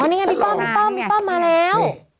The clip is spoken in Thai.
นี่ไงพี่ป้อมพี่ป้อมมาแล้ว